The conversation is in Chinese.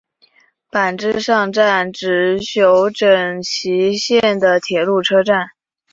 坂之上站指宿枕崎线的铁路车站。